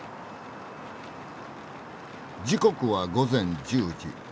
時刻は午前１０時。